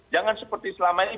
jangan seperti selama ini